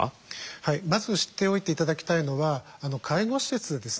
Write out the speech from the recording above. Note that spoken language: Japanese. はいまず知っておいて頂きたいのは介護施設はですね